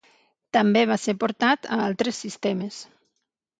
També va ser portat a altres sistemes.